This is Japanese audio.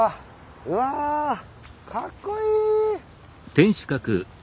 うわかっこいい！